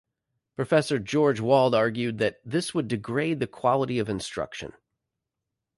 Professor George Wald argued that this would degrade the quality of instruction.